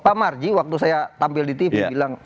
pak marji waktu saya tampil di tv bilang